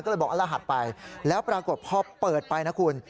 ก็เลยบอกรหัสไปแล้วปรากฏพอเปิดไปนะคุณ